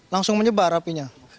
langsung menyebar apinya